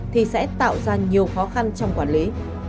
thì sẽ tạo ra nhiều khó khăn trong quản lý